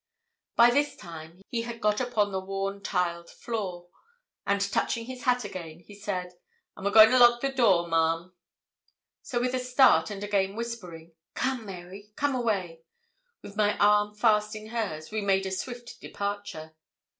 By this time he had got upon the worn tiled floor, and touching his hat again, he said 'I'm a goin' to lock the door, ma'am!' So with a start, and again whispering 'Come, Mary come away' With my arm fast in hers, we made a swift departure.